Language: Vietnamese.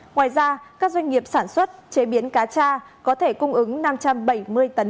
ngoài ra các doanh nghiệp sản xuất chế biến cá cha có thể cung ứng năm trăm bảy mươi tấn